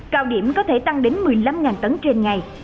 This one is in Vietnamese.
cao điểm có thể tăng đến một mươi năm tấn trên ngày